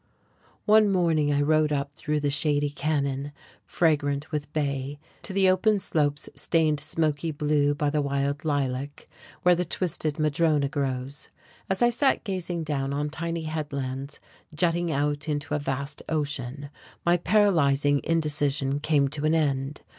One morning I rode up through the shady canon, fragrant with bay, to the open slopes stained smoky blue by the wild lilac, where the twisted madrona grows. As I sat gazing down on tiny headlands jutting out into a vast ocean my paralyzing indecision came to an end.